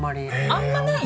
あんまない？